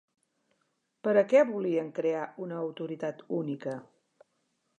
Per a què volien crear una autoritat única?